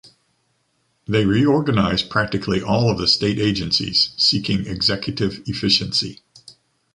They reorganized practically all of the State Agencies, seeking executive efficiency.